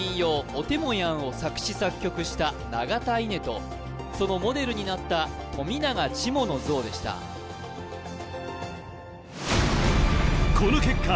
「おてもやん」を作詞作曲した永田イネとそのモデルになった富永チモの像でしたこの結果